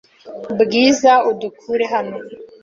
Bwiza, udukure hano!